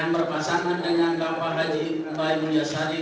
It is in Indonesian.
yang berpasangan dengan bapak haji dan bapak haji